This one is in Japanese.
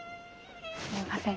すいません。